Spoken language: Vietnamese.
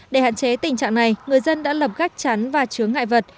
để hạn chế tình trạng này người dân đã lập gác chắn và chứa ngại vật